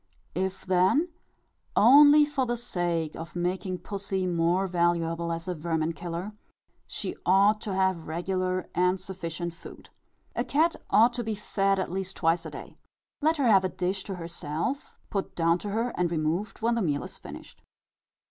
If then, only for the sake of making pussy more valuable as a vermin killer, she ought to have regular and sufficient food. A cat ought to be fed at least twice a day. Let her have a dish to herself, put down to her, and removed when the meal is finished.